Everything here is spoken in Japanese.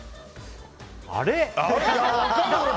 あれ？